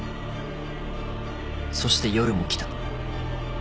そして夜も来た。